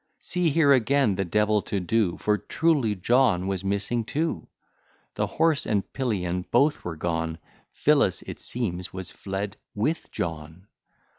See here again the devil to do! For truly John was missing too: The horse and pillion both were gone! Phyllis, it seems, was fled with John.